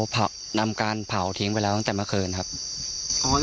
เพราะคนร้ายเผาเสื้อน้องชมพู่ไปแล้วค่ะ